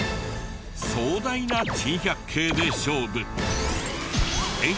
壮大な珍百景で勝負。